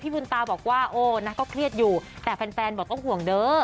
พี่บุญตาบอกว่าโอ้น่าก็เครียดอยู่แต่แฟนบอกว่าต้องห่วงเด้อ